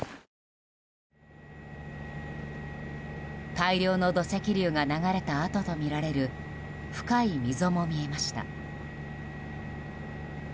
大量の土石流が流れた跡とみられる深い溝も見えました。